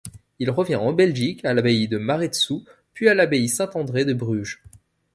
Il revient en Belgique à l'abbaye de Maredsous puis à l'abbaye Saint-André de Bruges.